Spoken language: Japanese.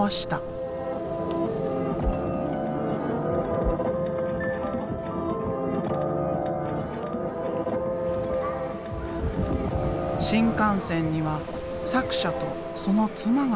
新幹線には作者とその妻が住んでいる。